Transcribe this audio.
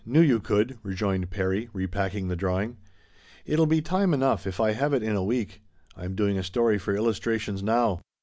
Knew you could," rejoined Perry, repacking the drawing. " It'll be time enough if I have it in a week. Fm doing a story for Illustrations now.